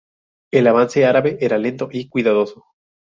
El avance árabe era lento y cuidadoso.